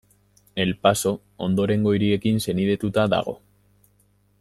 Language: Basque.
El Paso ondorengo hiriekin senidetuta dago.